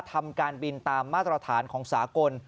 ทำการบินตามมาตรฐานของสากล